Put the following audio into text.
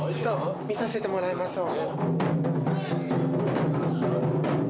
見させてもらいましょう。